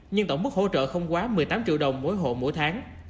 nhưng tổng mức hỗ trợ không quá một mươi tám triệu đồng mỗi hộ mỗi tháng